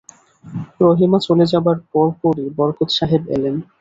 রহিমা চলে যাবার পরপরই বরকত সাহেব এলেন।